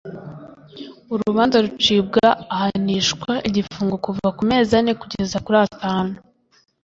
urubanza rucibwa ahanishwa igifungo kuva kumezi ane kugeza kuri atanu